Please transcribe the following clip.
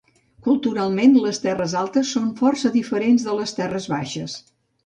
Culturalment, les Terres Altes són força diferents de les Terres Baixes.